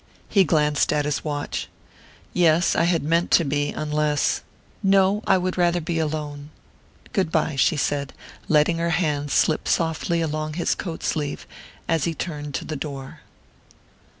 He glanced at his watch. "Yes I had meant to be; unless " "No; I would rather be alone. Good bye," she said, letting her hand slip softly along his coat sleeve as he turned to the door.